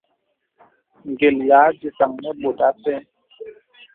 Gə̀l ya dìsaŋ nə bòt a pɛ.